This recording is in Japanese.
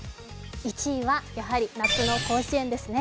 １位はやはり夏の甲子園ですね。